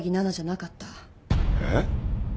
えっ？